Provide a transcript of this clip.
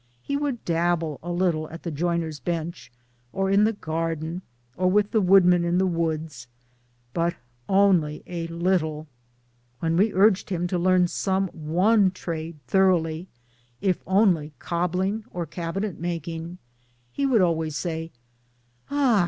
He would dabble a little at the joiner's bench, or in the garden, or with the woodmen in the woods but only a little. When we urged him to learn some one trade MILLTHORPI AN A :i 7 1; thoroughly if only cobbling or cabinet making he would always say " Ah